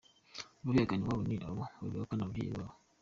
Abihakana iwabo ni nabo bihakana ababyeyi babo.